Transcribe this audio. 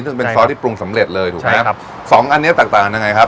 ก็จะเป็นซอสที่ปรุงสำเร็จเลยถูกไหมครับใช่ครับสองอันนี้ต่างต่างยังไงครับ